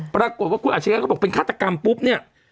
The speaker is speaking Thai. ปรากฏว่าคุณอาชญาก็บอกเป็นฆาตกรรมปุ๊บเนี่ย